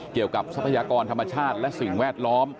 ทรัพยากรธรรมชาติและสิ่งแวดล้อม